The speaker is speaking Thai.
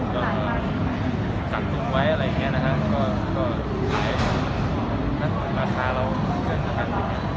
ก็ช่วยกันแล้วกัน